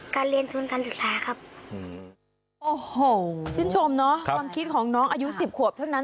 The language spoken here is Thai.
ความคิดของน้องอายุ๑๐ขวบเท่านั้น